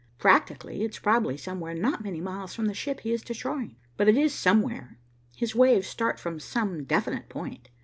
Practically, it's probably somewhere not many miles from the ship he is destroying. But it is somewhere. His waves start from some definite point.